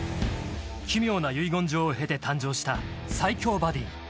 奇妙な遺言状を経て誕生した最強バディー。